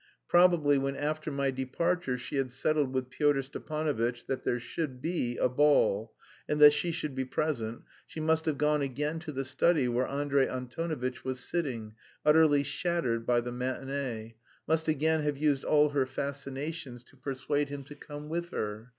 Probably when after my departure she had settled with Pyotr Stepanovitch that there should be a ball and that she should be present she must have gone again to the study where Andrey Antonovitch was sitting, utterly "shattered" by the matinée; must again have used all her fascinations to persuade him to come with her.